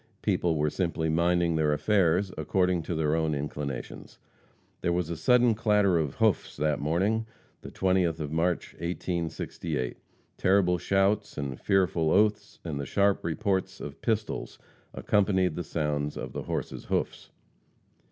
People were simply minding their affairs according to their own inclinations. There was a sudden clatter of hoofs that morning, the 20th of March, 1868. Terrible shouts and fearful oaths, and the sharp reports of pistols accompanied the sound of the horses' hoofs.